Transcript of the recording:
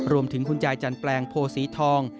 รวมถึงคุณจ่ายจันแปลงโภสีทอง